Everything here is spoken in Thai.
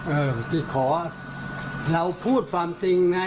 เออจะขอเราพูดความจริงนะ